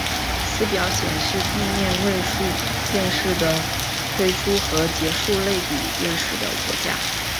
此表显示地面数位电视的推出和结束类比电视的国家。